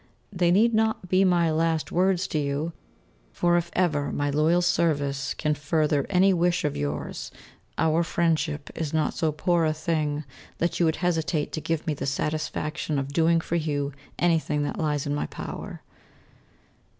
They need not be my last words to you, for, if ever my loyal service can further any wish of yours, our friendship is not so poor a thing that you would hesitate to give me the satisfaction of doing for you anything that lies in my power.